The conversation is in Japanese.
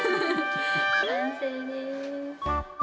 完成です。